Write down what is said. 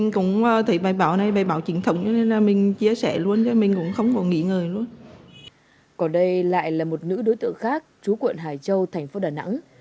còn đây lại là một nữ đối tượng khác chú quận hải châu thành phố đà nẵng